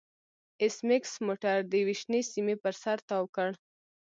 ایس میکس موټر د یوې شنې سیمې پر سر تاو کړ